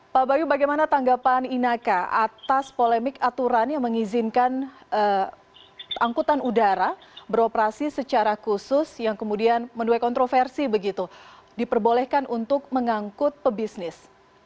pak bayu bagaimana tanggapan inaka atas polemik aturan yang mengizinkan angkutan udara beroperasi secara khusus yang kemudian menuai kontroversi begitu diperbolehkan untuk mengangkut pebisnis